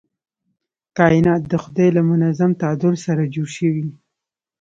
کائنات د خدای له منظم تعادل سره جوړ شوي.